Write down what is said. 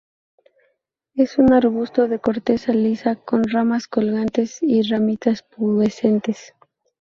Es un arbusto de corteza lisa, con ramas colgantes y ramitas pubescentes.